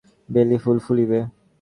বেলি ফুল ফুলিবে?